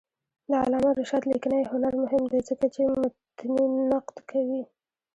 د علامه رشاد لیکنی هنر مهم دی ځکه چې متني نقد کوي.